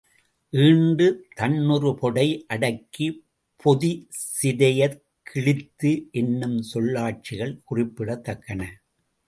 ஈண்டு, தன்னுறு பெடை, அடக்க, பொதி சிதையக் கிழித்து என்னும் சொல்லாட்சிகள் குறிப்பிடத்தக்கன.